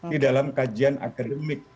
di dalam kajian akademik